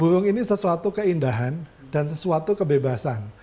burung ini sesuatu keindahan dan sesuatu kebebasan